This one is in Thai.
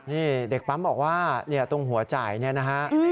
นี่เด็กปั๊มบอกว่าตรงหัวจ่ายเนี่ยนะฮะ